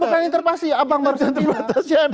bukan interpretasi abang baru interpretasi anda